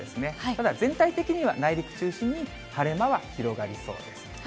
ただ、全体的には内陸中心に晴れ間は広がりそうです。